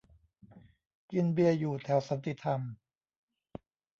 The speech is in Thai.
กินเบียร์อยู่แถวสันติธรรม